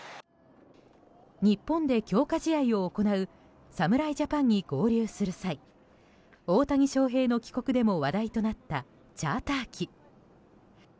日本で強化試合を行う侍ジャパンに合流する際大谷翔平の帰国でも話題となったチャーター機。